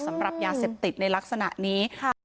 สำหรับยาเสพติดในลักษณะนี้ค่ะ